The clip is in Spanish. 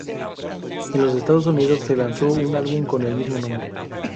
En los Estados Unidos se lanzó un álbum con el mismo nombre.